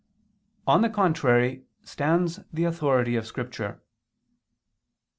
On the contrary stands the authority of Scripture.